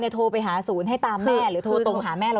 โทรไปหาศูนย์ให้ตามแม่หรือโทรตรงหาแม่เรา